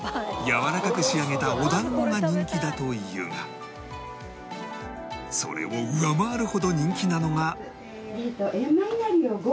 やわらかく仕上げたお団子が人気だというがそれを上回るほど人気なのが